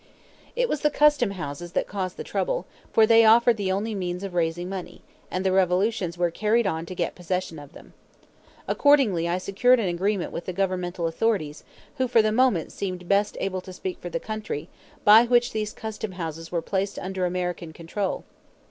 It was the custom houses that caused the trouble, for they offered the only means of raising money, and the revolutions were carried on to get possession of them. Accordingly I secured an agreement with the governmental authorities, who for the moment seemed best able to speak for the country, by which these custom houses were placed under American control.